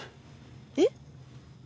えっ？